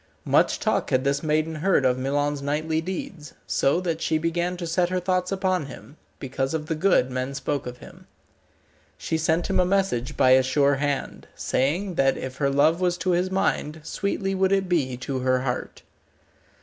Much talk had this maiden heard of Milon's knightly deeds, so that she began to set her thoughts upon him, because of the good men spoke of him. She sent him a message by a sure hand, saying that if her love was to his mind, sweetly would it be to her heart.